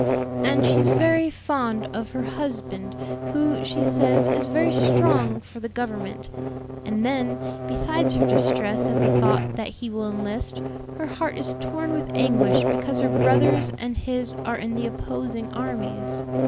"And she's very found of her husband, who, she says, is very strong for the Government; and then, besides her distress at the thought that he will enlist, her heart is torn with anguish because her brothers and his are in the opposing armies.